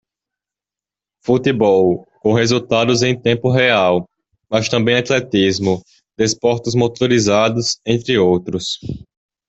Futebol, com resultados em tempo real, mas também atletismo, desportos motorizados, entre outros.